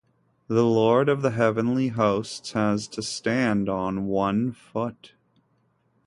The Lord of the Heavenly Hosts has to stand on one foot.